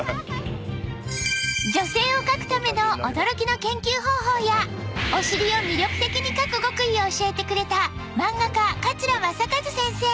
女性を描くための驚きの研究方法やお尻を魅力的に描く極意を教えてくれた漫画家桂正和先生